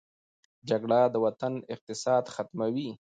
جګړه د وطن اقتصاد ختموي